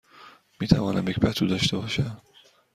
می توانم یک پتو داشته باشم؟